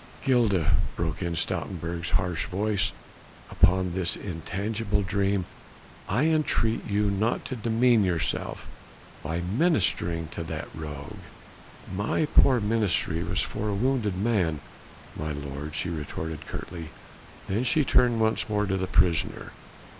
"Gilda," broke in Stoutenburg's harsh voice upon this intangible dream, "I entreat you not to demean yourself by ministering to that rogue." "My poor ministry was for a wounded man, my lord," she retorted curtly. Then she turned once more to the prisoner.